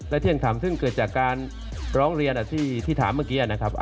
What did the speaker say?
และเที่ยงคำซึ่งเกิดจากการร้องเรียนที่ถามเมื่อกี้นะครับ